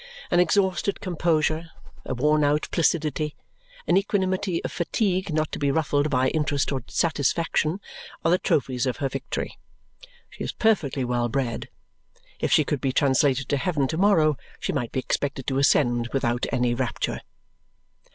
An exhausted composure, a worn out placidity, an equanimity of fatigue not to be ruffled by interest or satisfaction, are the trophies of her victory. She is perfectly well bred. If she could be translated to heaven to morrow, she might be expected to ascend without any rapture.